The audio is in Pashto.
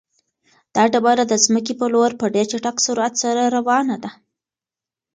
دا ډبره د ځمکې په لور په ډېر چټک سرعت سره روانه ده.